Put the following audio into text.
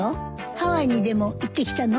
ハワイにでも行ってきたの？